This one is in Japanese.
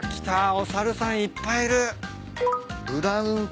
お猿さんいっぱいいる。